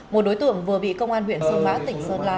một đối tượng vừa bị công an huyện sơn mã tỉnh sơn la